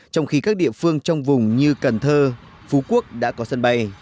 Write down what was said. trong khi các địa phương trong vùng như cần thơ phú quốc đã có sân bay